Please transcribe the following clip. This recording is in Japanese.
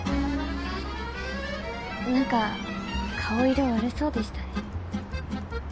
何か顔色悪そうでしたね。